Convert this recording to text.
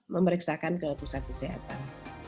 memeriksakan ke pusat kesehatan